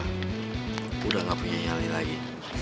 aku sudah tidak punya yali lagi